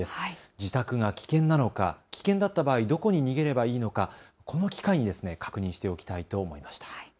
自宅が危険なのか、危険だった場合どこに逃げればいいのかこの機会に確認しておきたいと思いました。